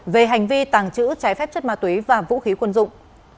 về hành vi tàng trữ trái phép chất ma túy và vũ khí quân dụng